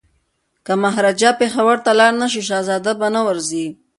که مهاراجا پېښور ته لاړ نه شي شهزاده به نه ورځي.